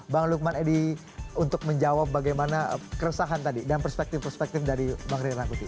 bang lukman edi untuk menjawab bagaimana keresahan tadi dan perspektif perspektif dari bang ray rangkuti